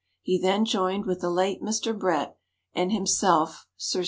He then joined with the late Mr. Brett and himself (Sir C.